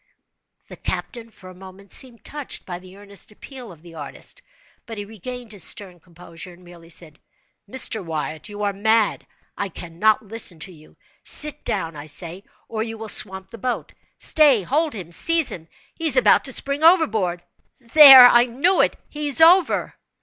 The captain, for a moment, seemed touched by the earnest appeal of the artist, but he regained his stern composure, and merely said: "Mr. Wyatt, you are mad. I cannot listen to you. Sit down, I say, or you will swamp the boat. Stay—hold him—seize him!—he is about to spring overboard! There—I knew it—he is over!"